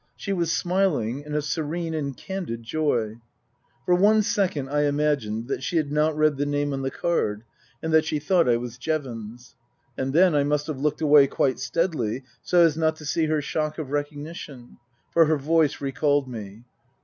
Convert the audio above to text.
She was smiling in a serene and candid joy. For one second I imagined that she had not read the name on the card and that she thought I was Jevons. And then I must have looked away quite steadily so as not to see her shock of recognition ; for her voice recalled me.